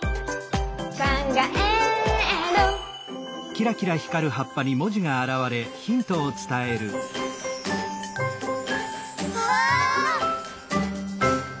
「かんがえる」うわ！